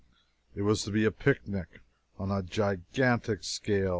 It was to be a picnic on a gigantic scale.